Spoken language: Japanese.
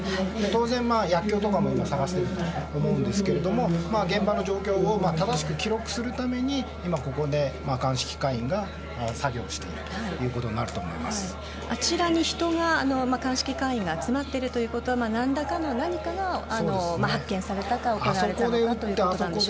当然、薬きょうとかも今、探していると思うんですが現場の状況を正しく記録するために今、ここで鑑識課員が作業しているということだとあちらに人が、鑑識係が集まっているということは何らかの何かが発見されたか行われたということ